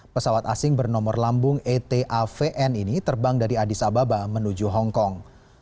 pesawat asing bernomor lambung etavn ini terbang dari addis ababa menuju hong kong